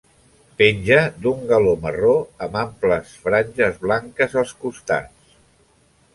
Penja d'un galó marró amb amples franges blanques als costats.